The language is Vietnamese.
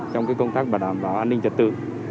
trong công tác bảo đảm bảo an ninh trật tự